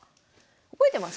覚えてます？